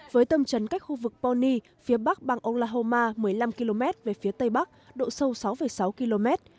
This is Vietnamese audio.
với tâm trấn cách khu vực ponni phía bắc bang olahoma một mươi năm km về phía tây bắc độ sâu sáu sáu km